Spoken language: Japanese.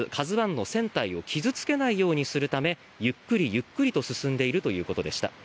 「ＫＡＺＵ１」の船体を傷付けないようにするためゆっくりゆっくりと進んでいるということでした。